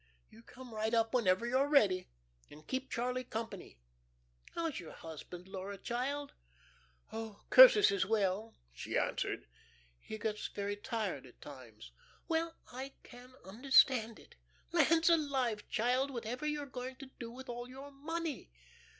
You come right up whenever you're ready and keep Charlie company. How's your husband, Laura child?" "Oh, Curtis is well," she answered. "He gets very tired at times." "Well, I can understand it. Lands alive, child whatever are you going to do with all your money?